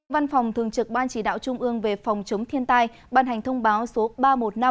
văn phòng thường trực ban chỉ đạo trung ương về phòng chống thiên tai ban hành thông báo số ba trăm một mươi năm